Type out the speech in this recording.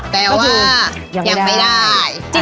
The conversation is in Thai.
แต่ว่ายังไม่ได้